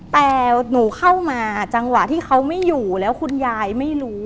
แต่หนูเข้ามาจังหวะที่เขาไม่อยู่แล้วคุณยายไม่รู้